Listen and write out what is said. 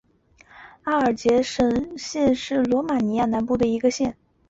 阿尔杰什县是罗马尼亚南部的一个县。